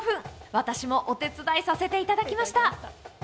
私もお手伝いさせていただきました。